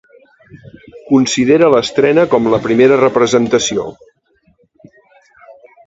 Considera l'estrena com la primera representació.